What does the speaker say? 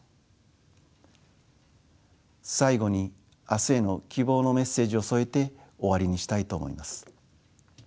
最後に明日への希望のメッセージを添えて終わりにしたいと思います。